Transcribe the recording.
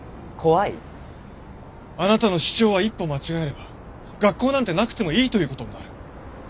あなたの主張は一歩間違えれば学校なんてなくてもいいという事になる。